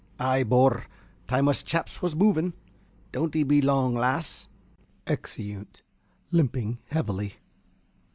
~ Ay, bor, time us chaps was moving. Don't 'e be long, lass. (_Exeunt, limping heavily.